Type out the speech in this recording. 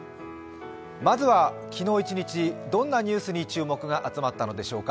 まずは昨日一日、どんなニュースに注目が集まったのでしょうか。